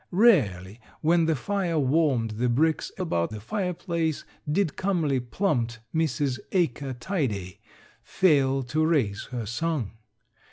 Rarely when the fire warmed the bricks about the fireplace did comely, plump Mrs. Acre Tidae fail to raise her song.